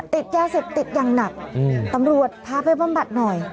ติดยาเสพติดอย่างหนักตำรวจพาไปบำบัดหน่อย